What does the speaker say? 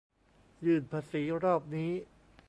ยื่นภาษีรอบนี้